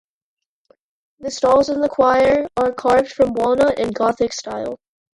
The stalls in the choir are carved from walnut in Gothic style.